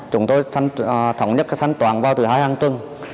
chúng tôi thống nhất sẵn toàn vào thứ hai hàng từng